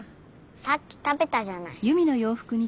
さっき食べたじゃない。